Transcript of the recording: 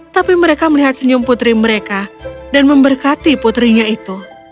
tapi mereka melihat senyum putri mereka dan memberkati putrinya itu